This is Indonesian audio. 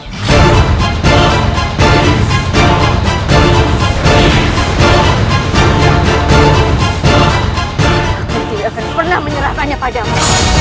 aku tidak akan pernah menyerahkannya padamu